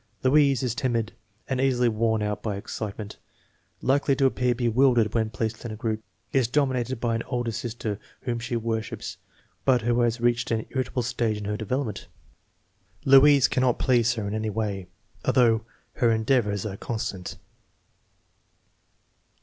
Louise is timid and easily worn out by excitement. Likely to appear bewildered when placed in a group. Is domi nated by an older sister whom she worships, but who has reached an irritable stage in her development. Louise can not please her in any way, although her endeavors are con stant.